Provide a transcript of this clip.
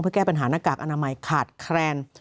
เพื่อแก้ปัญหาหน้ากากอนามัยขาดแคลน